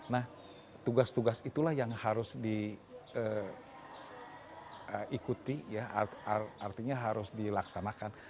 nah tugas tugas itulah yang harus diikuti ya artinya harus dilaksanakan